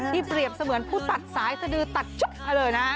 ที่เปรียบเสมือนผู้ตัดสายสดื่อตัดเลยนะฮะ